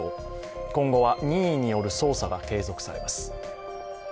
今後は任意による捜査が継続されます。